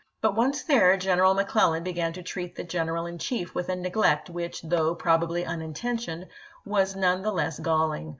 But once there. General McClellan began to treat the General in Chief with a neglect which, though probably unintentional, was none the less galling.